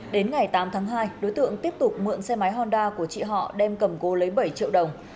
đến ngày tám tháng hai đối tượng tiếp tục mượn xe máy honda của chị họ đem cầm cố lấy bảy triệu đồng